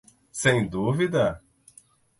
Sem dúvida?